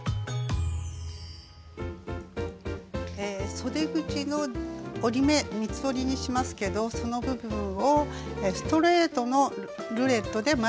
そで口の折り目三つ折りにしますけどその部分をストレートのルレットで前もって折り目をつけておきます。